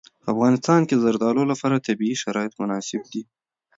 په افغانستان کې د زردالو لپاره طبیعي شرایط مناسب دي.